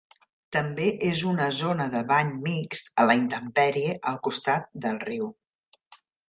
També és una zona de bany mixt a la intempèrie al costat del riu.